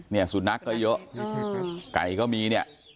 เนี่ยสุนัขก็เยอะไก่ก็มีเนี่ย